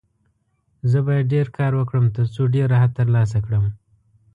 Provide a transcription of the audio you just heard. زه باید ډېر کار وکړم، ترڅو ډېر راحت ترلاسه کړم.